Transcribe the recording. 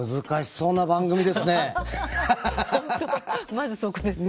まずそこですよね。